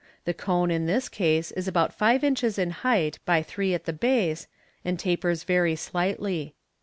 The cone in this case is about rive inches in height by three at the base, and tapers very slightly.